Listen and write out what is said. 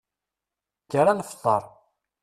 Kker ad nefteṛ.